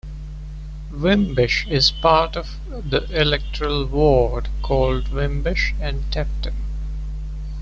Wimbish is part of the electoral ward called Wimbish and Debden.